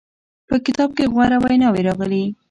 په کتاب کې غوره ویناوې راغلې.